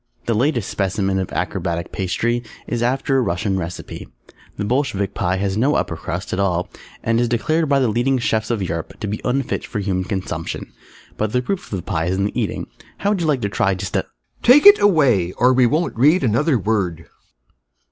The latest specimen of Acrobatic Pastry is after a Russian recipe. The Bolshevik Pie has no Upper Crust at all and is declared by the leading Chefs of Europe to be unfit for human consumption, but the proof of the Pie is in the eating, how would you like to try just a Take it away, or we won't read another word!